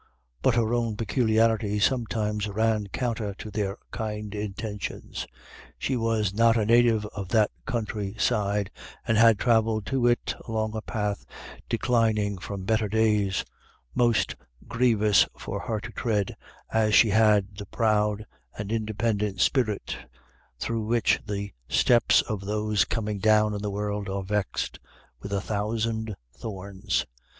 But her ov/n peculiarities sometimes ran counter to their kind intentions. She was not a native of that country side, and had travelled to it along a path declining from better days, most 16 IRISH IDYLLS. grievous for her to tread, as she had the proud and independent spirit through which the steps of those coming down in the world are vexed with a thousand thorns.